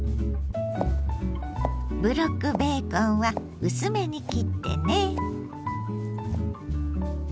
ブロックベーコンは薄めに切ってね。